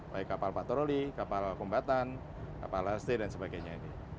baik kapal patroli kapal kumpatan kapal hastil dan sebagainya ini